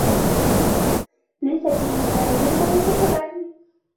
ليس كل ما يلمع ذهباً.